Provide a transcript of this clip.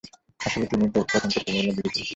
আসলে তিনিই প্রথম তুর্কি মহিলা ভিডিও শিল্পী।